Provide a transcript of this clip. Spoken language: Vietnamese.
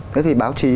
thế thì báo chí